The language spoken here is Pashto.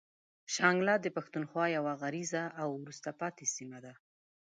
شانګله د پښتونخوا يوه غريزه او وروسته پاتې سيمه ده.